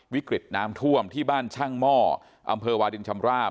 วิกฤตน้ำท่วมที่บ้านช่างหม้ออำเภอวาดินชำราบ